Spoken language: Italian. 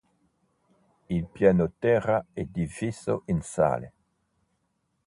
Il pianoterra è diviso in sale.